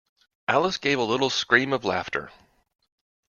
Alice gave a little scream of laughter.